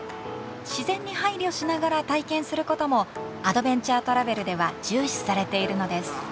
自然に配慮しながら体験することもアドベンチャートラベルでは重視されているのです。